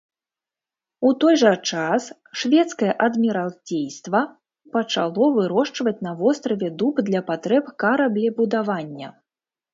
У той жа час шведскае адміралцейства пачало вырошчваць на востраве дуб для патрэб караблебудавання.